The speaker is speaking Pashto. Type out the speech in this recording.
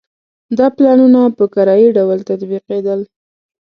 دا پلانونه په کرایي ډول تطبیقېدل.